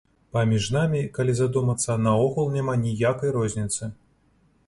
Паміж намі, калі задумацца, наогул няма ніякай розніцы.